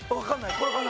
これかな？